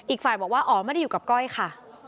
อีกฝ่ายบอกว่าอ๋อไม่ได้อยู่กับก้อยค่ะ